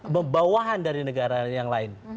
membawahan dari negara yang lain